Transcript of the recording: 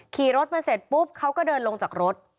ขี่รถมาเสร็จปุ๊บเขาก็เดินลงจากรถ